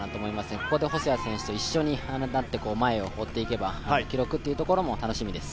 ここで細谷選手と一緒になって前を追っていけば記録も楽しみです。